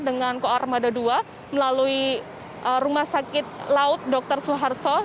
dengan ko armada ii melalui rumah sakit laut dr suharto